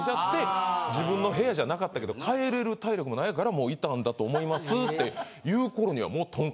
自分の部屋じゃなかったけど帰れる体力もないからいたんだと思いますって。